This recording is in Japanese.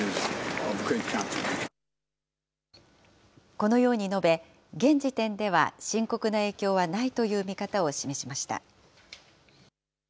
このように述べ、現時点では深刻な影響はないという見方を示しました。